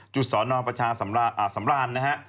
จุดสอนราวประชาสำราญนะฮะ